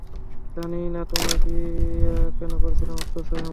জানিই না তোমায় বিয়া কেনো করছিলাম, আফসোস হয় আমার।